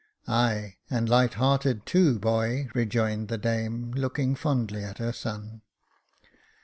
" Ay, and light hearted too, boy," rejoined the dame, looking fondly at her son.